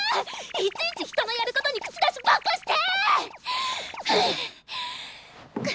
いちいち人のやることに口出しばっかして！